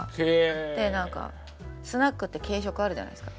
で何かスナックって軽食あるじゃないですか。